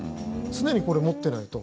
常にこれを持ってないと。